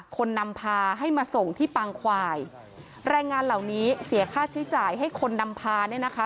คนนำพาให้มาส่งที่ปางควายแรงงานเหล่านี้เสียค่าใช้จ่ายให้คนนำพาเนี่ยนะคะ